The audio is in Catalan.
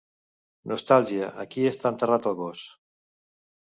Nostàlgia, aquí està enterrat el gos.